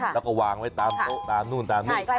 แล้วก็วางไว้ตามโต๊ะตามนู่นตามนี่